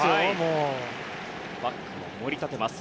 バックも盛り立てます。